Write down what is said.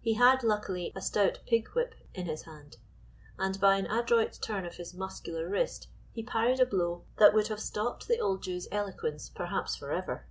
He had, luckily, a stout pig whip in his hand, and by an adroit turn of his muscular wrist he parried a blow that would have stopped the old Jew's eloquence perhaps forever.